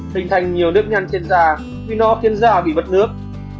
hình thành nhiều nước nhăn trên da khiến da bị bất nước